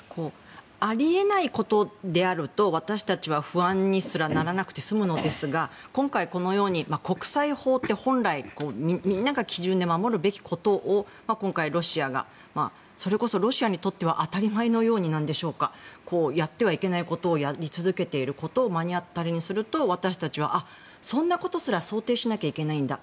あり得ないことであると、私たちは不安にすらならなくて済むのですが今回、このように国際法って本来はみんなが基準で守るべきことを今回ロシアがそれこそロシアにとっては当たり前のようにやってはいけないことをやり続けていることを目の当たりにすると私たちはそんなことすら想定しなきゃいけないんだ。